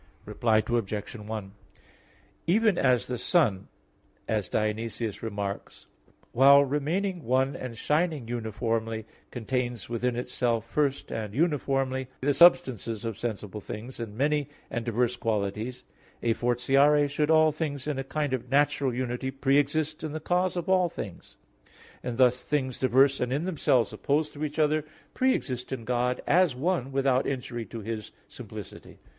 Reply Obj. 1: Even as the sun (as Dionysius remarks, (Div. Nom. v)), while remaining one and shining uniformly, contains within itself first and uniformly the substances of sensible things, and many and diverse qualities; a fortiori should all things in a kind of natural unity pre exist in the cause of all things; and thus things diverse and in themselves opposed to each other, pre exist in God as one, without injury to His simplicity.